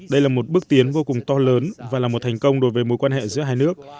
đây là một bước tiến vô cùng to lớn và là một thành công đối với mối quan hệ giữa hai nước